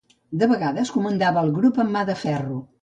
De vegades, comandava el Grup amb mà de ferro.